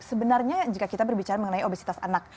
sebenarnya jika kita berbicara mengenai obesitas anak